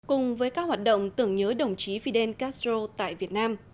cùng với các hoạt động tưởng nhớ đồng chí fidel castro tại việt nam